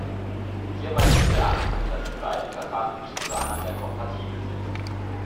Hierbei ist zu beachten, dass die beiden Verfahren nicht zueinander kompatibel sind.